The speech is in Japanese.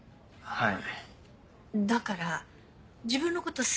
はい。